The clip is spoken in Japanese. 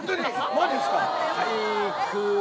マジですか？